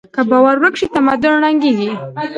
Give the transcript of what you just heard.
که باور ورک شي، تمدن ړنګېږي.